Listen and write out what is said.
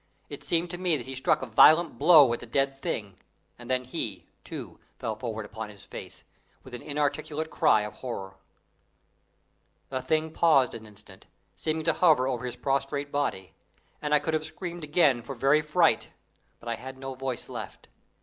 It seemed to me that he struck a violent blow at the dead being, and then he, too, fell forward upon his face, with an inarticulate cry of horror. The thing paused an instant, seeming to hover over his prostrate body, and I could have screamed again for very fright, but I had no voice left.